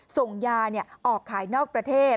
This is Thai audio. ส่งยาออกขายนอกประเทศ